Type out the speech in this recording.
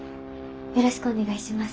よろしくお願いします。